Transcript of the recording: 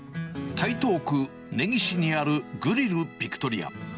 台東区根岸にあるグリルビクトリヤ。